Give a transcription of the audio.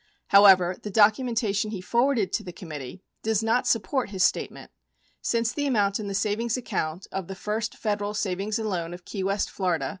However, the documentation he forwarded to the committee does not support his statement since the amount in the savings account of the First Federal Savings & Loan of Key West, Fla.